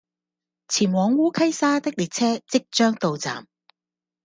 前往烏溪沙的列車即將到站